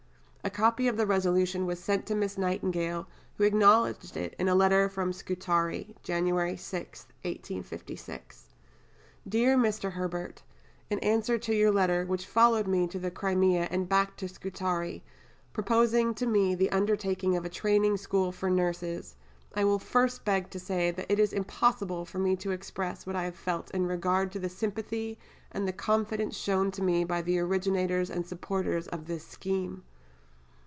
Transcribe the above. A copy of the resolution was sent to Miss Nightingale, who acknowledged it in a letter from Scutari (Jan. 6, 1856): "Dear Mr. Herbert In answer to your letter (which followed me to the Crimea and back to Scutari) proposing to me the undertaking of a Training School for Nurses, I will first beg to say that it is impossible for me to express what I have felt in regard to the sympathy and the confidence shown to me by the originators and supporters of this scheme.